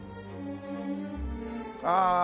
ああ！